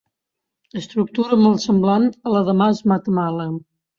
Estructura molt semblant a la de mas Matamala.